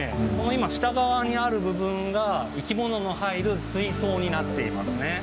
今下側にある部分が生き物の入る水槽になっていますね。